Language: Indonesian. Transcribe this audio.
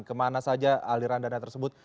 kemana saja aliran dana tersebut